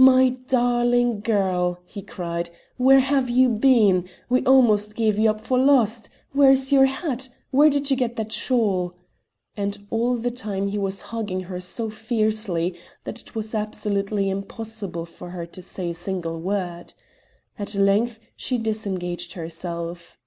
"My darling girl," he cried, "where have you been? We almost gave you up for lost. Where is your hat? Where did you get that shawl?" And all the time he was hugging her so fiercely that it was absolutely impossible for her to say a single word. At length she disengaged herself.